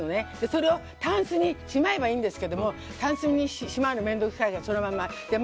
それをたんすにしまえばいいんですけどたんすにしまうのは面倒くさいからそのまま。